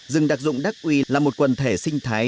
rừng đặc dụng đắc uy là một quần thể sinh thái